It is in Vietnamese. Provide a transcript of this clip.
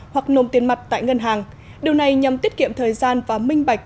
hoặc nộp tiền mặt tại ngân hàng điều này nhằm tiết kiệm thời gian và minh bạch